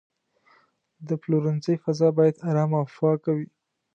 د پلورنځي فضا باید آرامه او پاکه وي.